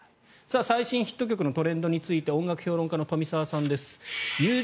最新ヒット曲のトレンドについて音楽評論家の富澤さんです。